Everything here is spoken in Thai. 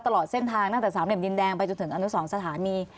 ตลอดเส้นทางตั้งแต่สามเหลี่ยมดินแดงไปจนถึงอนุสรสถานี